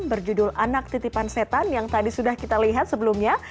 berjudul anak titipan setan yang tadi sudah kita lihat sebelumnya